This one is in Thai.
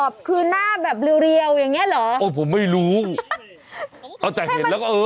แบบเรียวอย่างนี้เหรอโอ้ยผมไม่รู้เอาแต่เห็นแล้วก็เออ